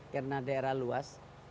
karena daerah luas